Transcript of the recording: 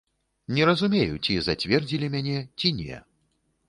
Не разумею, ці зацвердзілі мяне, ці не.